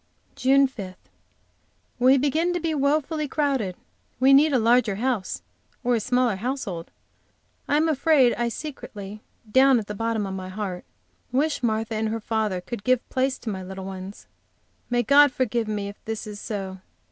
JUNE 5. We begin to be woefully crowded. We need a larger house, or a smaller household. I am afraid I secretly, down at the bottom of my heart, wish Martha and her father could give place to my little ones. May God forgive me if this is so!